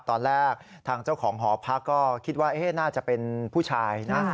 ตอนแรกทางเจ้าของหอพักก็คิดว่าน่าจะเป็นผู้ชายนะ